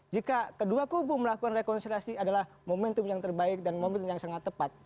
jika kedua kubu melakukan rekonsiliasi adalah momentum yang terbaik dan momentum yang sangat tepat